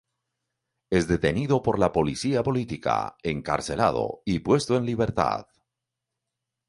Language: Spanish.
Es detenido por la policía política, encarcelado y puesto en libertad.